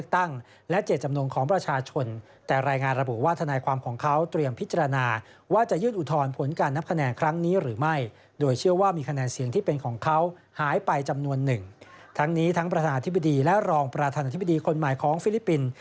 ทั้งนี้ทั้งนี้ทั้งประธานธิบดีและรองประธานาธิบดีคนใหม่ของฟิลิปปินส์